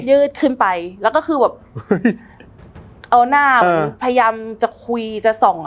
ยืดขึ้นไปแล้วก็คือแบบเอาหน้ามันพยายามจะคุยจะส่อง